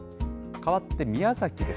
かわって宮崎です。